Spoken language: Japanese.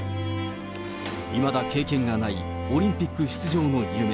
いまだ経験がないオリンピック出場の夢。